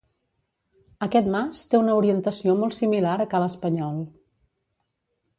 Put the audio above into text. Aquest mas té una orientació molt similar a ca l'Espanyol.